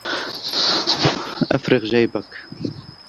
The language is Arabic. أفرغ جيبك